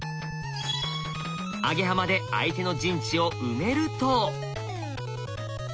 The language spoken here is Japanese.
アゲハマで相手の陣地を埋めると。